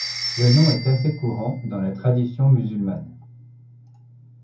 Le nom est assez courant dans la tradition musulmane.